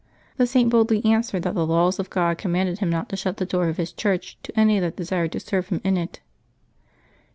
The Saint boldly answered that the laws of God commanded him not to shut the door of His church to any that desired to serve Him in it.